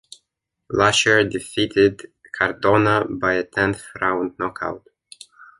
Laciar defeated Cardona by a tenth round knockout.